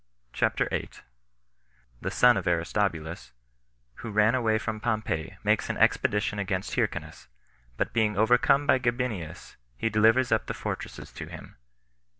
CHAPTER 8. Alexander, The Son Of Aristobulus, Who Ran Away From Pompey, Makes An Expedition Against Hyrcanus; But Being Overcome By Gabinius He Delivers Up The Fortresses To Him.